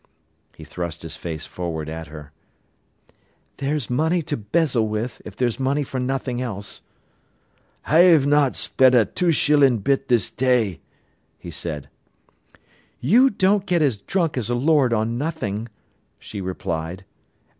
He thrust his face forward at her. "There's money to bezzle with, if there's money for nothing else." "I've not spent a two shillin' bit this day," he said. "You don't get as drunk as a lord on nothing," she replied.